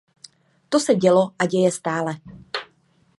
To se dělo a děje stále.